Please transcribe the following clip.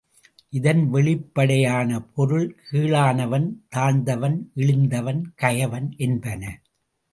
இதன் வெளிப்படையான பொருள் கீழானவன், தாழ்ந்தவன், இழிந்தவன் கயவன் என்பன.